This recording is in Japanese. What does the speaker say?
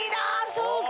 そうか！